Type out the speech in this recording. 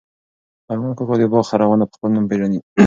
ارمان کاکا د باغ هره ونه په خپل نوم پېژني.